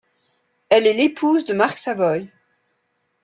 Elle est l'épouse de Marc Savoy.